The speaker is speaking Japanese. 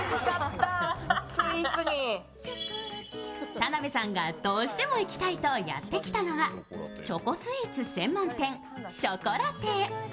田辺さんがどうしても行きたいとやって来たのはチョコスイーツ専門店しょこら亭。